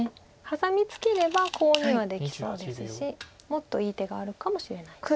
ハサミツケればコウにはできそうですしもっといい手があるかもしれないです。